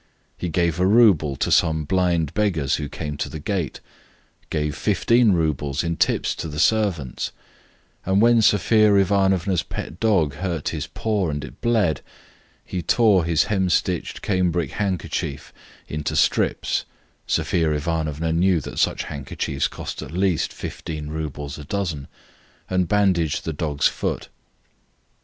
He gave a rouble to some blind beggars who came to the gate, gave 15 roubles in tips to the servants, and when Sophia Ivanovna's pet dog hurt his paw and it bled, he tore his hemstitched cambric handkerchief into strips (Sophia Ivanovna knew that such handkerchiefs cost at least 15 roubles a dozen) and bandaged the dog's foot.